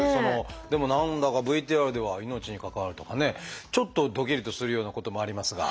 でも何だかＶＴＲでは「命に関わる」とかねちょっとドキリとするようなこともありますが。